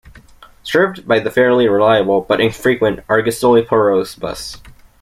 Served by the fairly reliable, but infrequent, Argostoli - Poros bus.